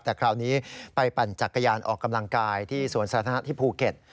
แต่คราวนี้ไปปั่นจักรยานออกกำลังกายที่สวนสาธารณะที่ภูเก็ต